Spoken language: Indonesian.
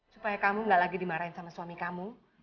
supaya kamu gak lagi dimarahin sama suami kamu